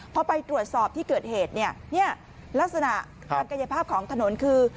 พอไปตรวจสอบที่เกิดเหตุเนี่ยลักษณะการกายภาพของถนนคือ